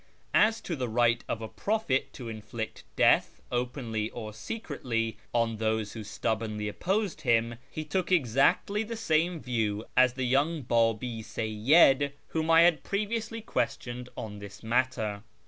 As to the right of a prophet to inflict death, openly or secretly, on those who stubbornly opposed him, he took exactly the same view as the young Babi Seyyid whom I had previously questioned on this matter.